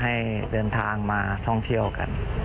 ให้เดินทางมาท่องเที่ยวกัน